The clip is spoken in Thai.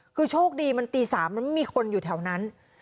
คือโชคดีมันตี๓มันไม่มีคนอยู่แถวนั้น